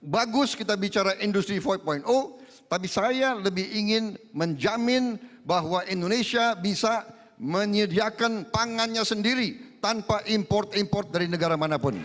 bagus kita bicara industri empat tapi saya lebih ingin menjamin bahwa indonesia bisa menyediakan pangannya sendiri tanpa import import dari negara manapun